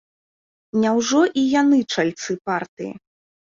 Няўжо і яны чальцы партыі?